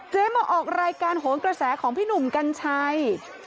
มาออกรายการโหนกระแสของพี่หนุ่มกัญชัย